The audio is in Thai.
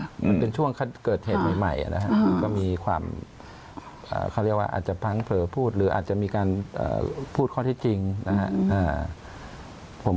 มันเป็นช่วงเกิดเหตุใหม่นะครับมันก็มีความเขาเรียกว่าอาจจะพังเผลอพูดหรืออาจจะมีการพูดข้อที่จริงนะครับ